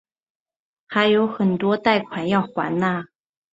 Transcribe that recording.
还有很多贷款要还哪